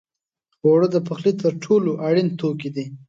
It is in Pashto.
اوړه د پخلي تر ټولو اړین توکي دي